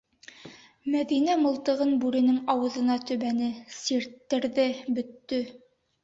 Мәҙинә мылтығын бүренең ауыҙына төбәне - сирттерҙе, бөттө.